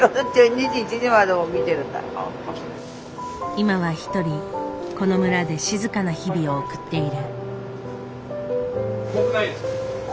今は一人この村で静かな日々を送っている。